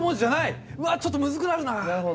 うわちょっとムズくなるな。